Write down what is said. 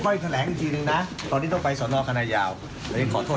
ค่อยแขนแหลงอีกทีหนึ่งน่ะตอนนี้ต้องไปสวนอคณะยาวตอนนี้ขอโทษ